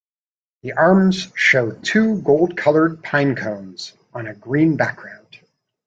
The arms show two gold-colored pine cones on a green background.